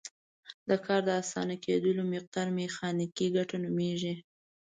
د کار د اسانه کیدلو مقدار میخانیکي ګټه نومیږي.